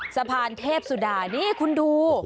สะพานเทพสุดานี่คุณดู